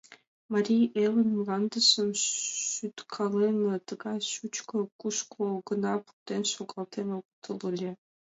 Марий Элын мландыжым шӱткален, тыгай шучкым кушко гына пуртен шогалтен огытыл ыле.